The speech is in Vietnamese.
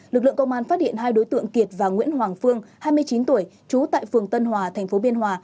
lực lượng công an phát hiện hai đối tượng kiệt và nguyễn hoàng phương hai mươi chín tuổi trú tại phường tân hòa tp biên hòa